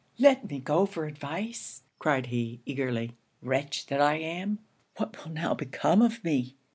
'Let me go for advice,' cried he, eagerly. 'Wretch that I am, what will now become of me!'